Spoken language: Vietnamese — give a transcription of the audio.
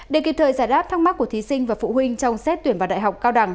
để kịp thời giải đáp thắc mắc của thí sinh và phụ huynh trong xét tuyển vào đại học cao đẳng